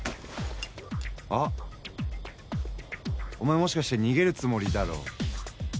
あっお前もしかして逃げるつもりだろ？